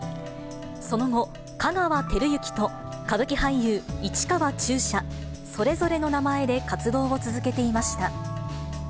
その後、香川照之と、歌舞伎俳優、市川中車、それぞれの名前で活動を続けていました。